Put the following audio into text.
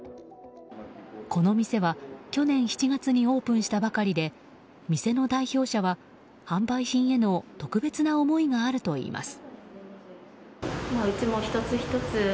この店は去年７月にオープンしたばかりで店の代表者は、販売品への特別な思いがあるといいます。